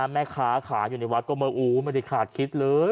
แม่ค้าขายอยู่ในวัดก็มาอู๋ไม่ได้ขาดคิดเลย